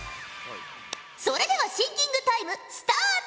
それではシンキングタイムスタート！